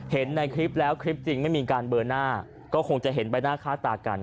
เห็นในคลิปแล้วคลิปจริงไม่มีการเบอร์หน้าก็คงจะเห็นใบหน้าค่าตากัน